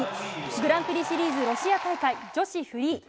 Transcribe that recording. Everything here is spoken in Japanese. グランプリシリーズロシア大会、女子フリー。